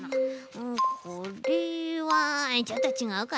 うんこれはちょっとちがうかな。